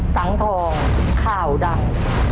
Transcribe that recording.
สังทองข่าวดัง